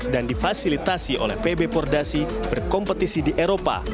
difasilitasi oleh pb pordasi berkompetisi di eropa